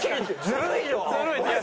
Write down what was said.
ずるいよ！